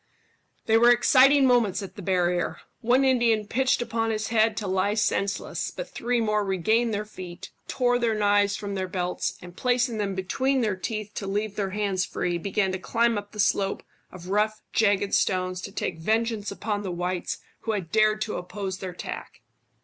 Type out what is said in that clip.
They were exciting moments at the barrier. One Indian pitched upon his head to lie senseless, but three more regained their feet, tore their knives from their belts, and placing them between their teeth to leave their hands free, began to climb up the slope of rough jagged stones to take vengeance upon the whites who had dared to oppose their attack.